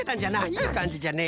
いいかんじじゃね。